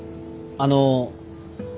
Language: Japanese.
あの